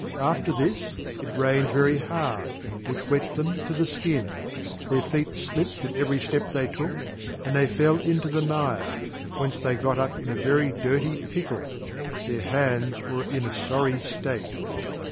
After this, it rained very hard, which wet them to the skin; their feet slipped at every step they took, and they fell into the mire, whence they got up in a very dirty pickle; their hands were in a sorry state.